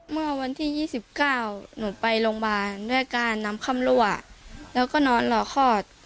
เมื่อวันที่ยี่สิบเก้าหนูไปโรงพยาบาลด้วยการนำคำลั่วแล้วก็นอนหล่อคลอด